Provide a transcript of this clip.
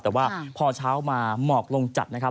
แต่ว่าพอเช้ามาหมอกลงจัดนะครับ